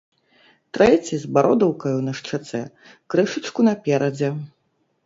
Трэці, з бародаўкаю на шчацэ, крышачку наперадзе.